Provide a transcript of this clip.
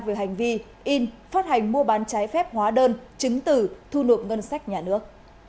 về hành vi in phát hành mua bán trái phép hóa đơn chứng tử thu nộp ngân sách nhà nước